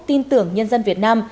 tin tưởng nhân dân việt nam